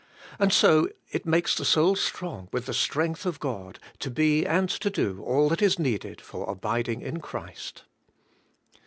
And so it makes the soul strong with the strength of God, to be and to do all that is needed for abiding in Christ.